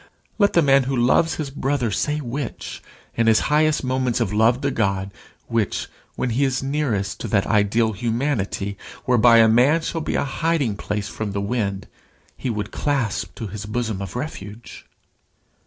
Let the man who loves his brother say which, in his highest moments of love to God, which, when he is nearest to that ideal humanity whereby a man shall be a hiding place from the wind, he would clasp to his bosom of refuge.